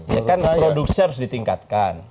ya kan produksi harus ditingkatkan